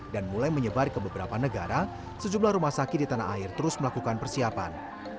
dan mulai menyebar ke beberapa negara sejumlah rumah sakit di tanah air terus melakukan persiapan